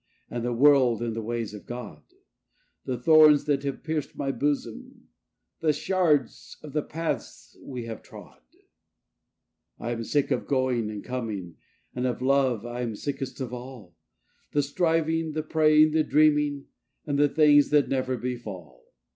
of the world and the ways of God; The thorns that have pierced thy bosom; the shards of the paths we have trod: I am sick of going and coming; and of love I am sickest of all: The striving, the praying, the dreaming; and the things that never befall.